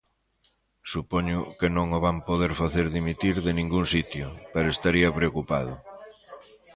Supoño que non o van poder facer dimitir de ningún sitio pero estaría preocupado.